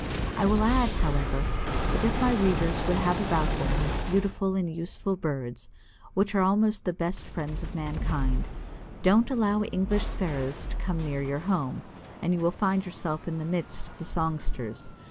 I will add, however, that if my readers would have about them these beautiful and useful birds, which are almost the best friends of mankind, don't allow English Sparrows to come near your home, and you will soon find yourself in the midst of the songsters.